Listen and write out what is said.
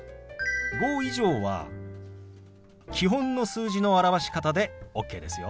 ５以上は基本の数字の表し方でＯＫですよ。